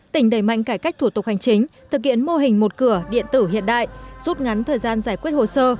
tỉnh đẩy mạnh cải cách thủ tục hành chính thực hiện mô hình một cửa điện tử hiện đại rút ngắn thời gian giải quyết hồ sơ